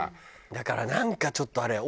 だからなんかちょっとあれよ。